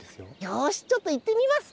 よしちょっといってみます。